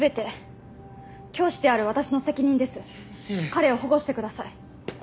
彼を保護してください。